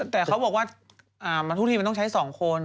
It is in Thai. แต่เขาบอกว่าทุกทีมันต้องใช้๒คน